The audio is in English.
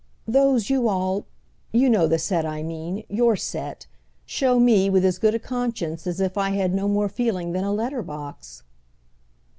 "Those you all—you know the set I mean, your set—show me with as good a conscience as if I had no more feeling than a letter box."